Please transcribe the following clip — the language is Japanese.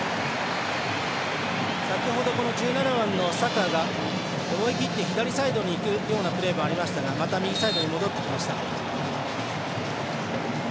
先ほど１７番のサカが思い切って左サイドにいくようなプレーもありましたがまた右サイドに戻ってきました。